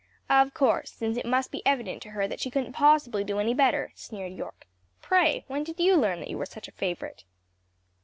"Of course, since it must be evident to her that she couldn't possibly do any better," sneered Yorke. "Pray, when did you learn that you were such a favorite?"